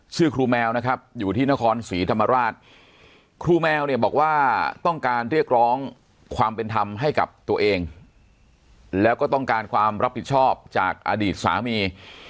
ชื่อครูแมวนะครับอยู่ที่นครศรีธรรมราชครูแมวเนี่ยบอกว่าต้องการเรียกร้องความเป็นธรรมให้กับตัวเองแล้วก็ต้องการความรับผิดชอบจากอดีตสามี